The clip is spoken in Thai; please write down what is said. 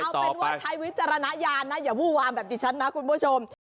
เอาเป็นว่าใช้วิจารณญาณนะอย่าวู้วามแบบนี้ฉันนะคุณผู้ชม